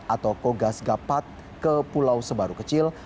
atau kogas gapat ke pulau sebaru kecil